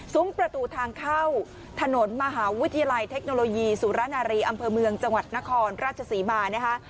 ประตูทางเข้าถนนมหาวิทยาลัยเทคโนโลยีสุรนารีอำเภอเมืองจังหวัดนครราชศรีมานะคะ